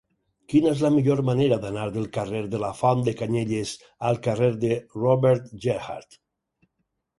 Quina és la millor manera d'anar del carrer de la Font de Canyelles al carrer de Robert Gerhard?